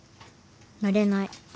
のれない。